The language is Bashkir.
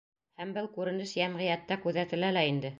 Һәм был күренеш йәмғиәттә күҙәтелә лә инде.